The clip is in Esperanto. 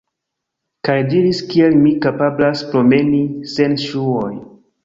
Kaj diris kiel mi kapablas promeni sen ŝuoj